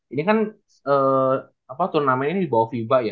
ini kan turnamen ini dibawa fiba ya